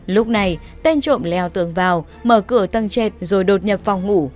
lúc này tên trộm leo tường vào mở cửa tầng chệt rồi đột nhập phòng ngủ